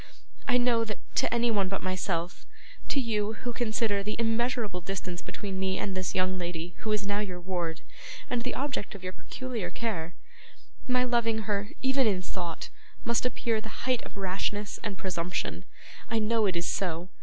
I know that to anyone but myself to you, who consider the immeasurable distance between me and this young lady, who is now your ward, and the object of your peculiar care my loving her, even in thought, must appear the height of rashness and presumption. I know it is so.